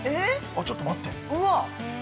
ちょっと待って。